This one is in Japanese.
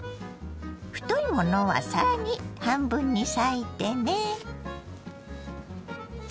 太いものはさらに半分に裂いてね。